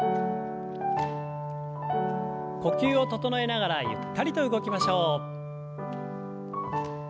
呼吸を整えながらゆったりと動きましょう。